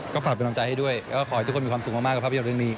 ก็ฝากเป็นกำลังใจให้ด้วยแล้วก็ขอให้ทุกคนมีความสุขมากกับภาพยนตร์เรื่องนี้